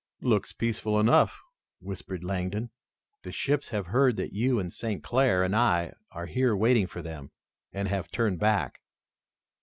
"Looks peaceful enough," whispered Langdon. "The ships have heard that you and St. Clair and I are here waiting for them and have turned back."